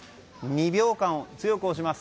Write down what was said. ２秒間、強く押します。